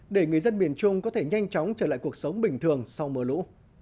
để người dân miền trung có thể nhanh chóng trở lại cuộc sống bình thường sau mưa lũ